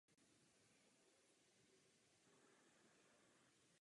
Mrazivé teploty neopanovaly pouze Kodaň, ale i celou atmosféru jednání.